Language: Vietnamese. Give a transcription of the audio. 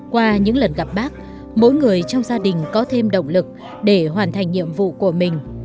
qua những lần gặp bác mỗi người trong gia đình có thêm động lực để hoàn thành nhiệm vụ của mình